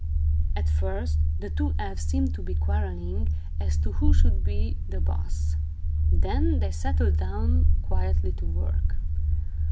At first, the two elves seemed to be quarrelling, as to who should be boss. Then they settled down quietly to work.